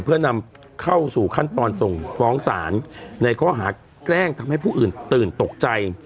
เพื่อนำเข้าสู่ขั้นตอนส่งฟ้องศาลในข้อหาแกล้งทำให้ผู้อื่นตื่นตกใจ